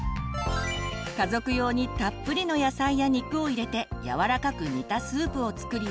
家族用にたっぷりの野菜や肉を入れてやわらかく煮たスープを作り